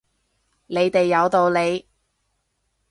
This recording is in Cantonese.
你哋有道理